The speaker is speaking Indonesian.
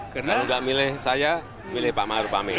kalau nggak milih saya milih pak maruf amin